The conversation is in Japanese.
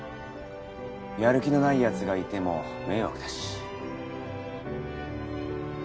やる気のない奴がいても迷惑だし。